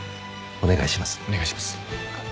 お願いします。